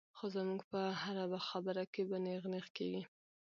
خو زمونږ پۀ هره خبره کښې به نېغ نېغ کيږي -